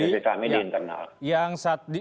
oke ya di